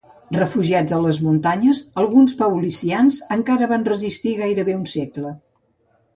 Refugiats a les muntanyes alguns paulicians encara van resistir gairebé un segle.